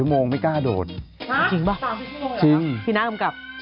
เอาข้ามหน่อย